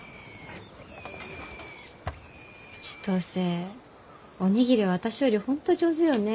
千歳お握りは私より本当上手よね。